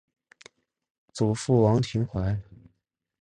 祖父王庭槐。